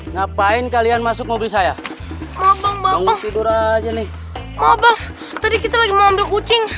ngapain kalian masuk mobil saya bang bang bang tidur aja nih obat tadi kita lagi mau ambil kucing